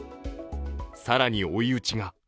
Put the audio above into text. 更に追い打ちが。